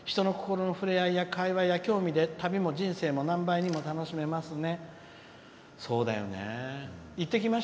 人の心のふれあい会話、興味で人生も何倍にも楽しめますね」。